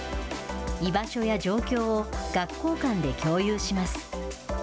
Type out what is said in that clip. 居場所や状況を学校間で共有します。